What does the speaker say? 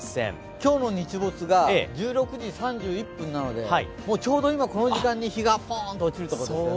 今日の日没が１６時３１分なので、もうちょうど今、この時間に日がポーンと落ちる時間ですよね。